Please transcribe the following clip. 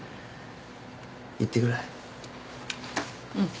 うん。